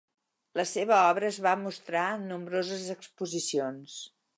La seva obra es va mostrar en nombroses exposicions.